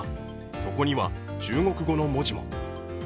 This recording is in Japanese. そこには中国語の文字も。